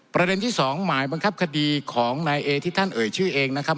ประเด็นที่สองหมายบังคับคดีของนายเอที่ท่านเอ่ยชื่อเองนะครับ